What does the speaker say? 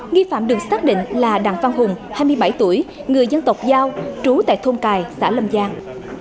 nghi phạm được xác định là đặng văn hùng hai mươi bảy tuổi người dân tộc giao trú tại thôn cài xã lâm giang